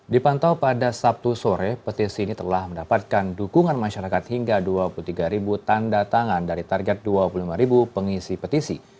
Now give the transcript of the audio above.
dipantau pada sabtu sore petisi ini telah mendapatkan dukungan masyarakat hingga dua puluh tiga tanda tangan dari target dua puluh lima pengisi petisi